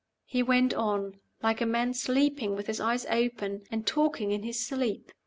He went on like a man sleeping with his eyes open, and talking in his sleep.